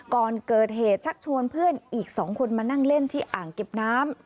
ก่อนเกิดเหตุชักชวนเพื่อนอีก๒คนมานั่งเล่นที่อ่างเก็บน้ำ